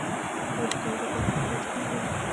آیا د کاناډا پاسپورت ارزښت نلري؟